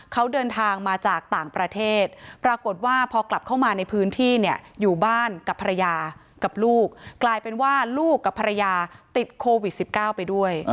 เขาเดินทางมาจากต่างประเทศปรากฏว่าพอกลับเข้ามาในพื้นที่เนี่ยอยู่บ้านกับภรรยากับลูกกลายเป็นว่าลูกกับภรรยาติดโควิด๑๙ไปด้วย